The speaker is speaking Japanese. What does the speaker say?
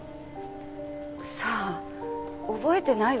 さあ覚えてないわ。